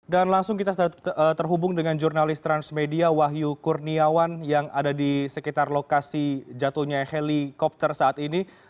dan langsung kita terhubung dengan jurnalis transmedia wahyu kurniawan yang ada di sekitar lokasi jatuhnya helikopter saat ini